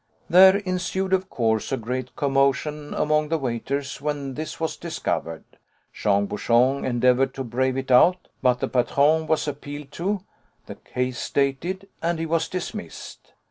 There ensued, of course, a great commotion among the waiters when this was discovered. Jean Bouchon endeavoured to brave it out, but the patron was appealed to, the case stated, and he was dismissed.